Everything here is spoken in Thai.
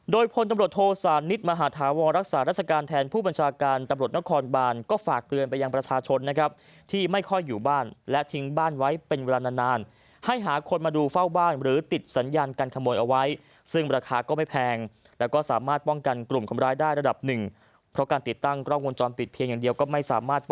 โดยพลตำรวจโทสานิทมหาธาวรรักษาราชการแทนผู้บัญชาการตำรวจนครบานก็ฝากเตือนไปยังประชาชนนะครับที่ไม่ค่อยอยู่บ้านและทิ้งบ้านไว้เป็นเวลานานนานให้หาคนมาดูเฝ้าบ้านหรือติดสัญญาการขโมยเอาไว้ซึ่งราคาก็ไม่แพงแต่ก็สามารถป้องกันกลุ่มคนร้ายได้ระดับหนึ่งเพราะการติดตั้งกล้องวงจรปิดเพียงอย่างเดียวก็ไม่สามารถป